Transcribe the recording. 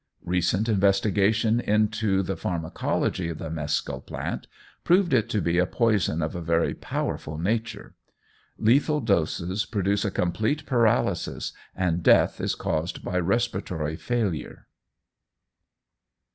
Recent investigation into the pharmacology of the mescal plant prove it to be a poison of a very powerful nature. Lethal doses produce complete paralysis, and death is caused by respiratory failure.